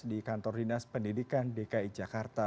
di kantor dinas pendidikan dki jakarta